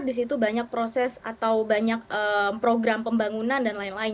di situ banyak proses atau banyak program pembangunan dan lain lain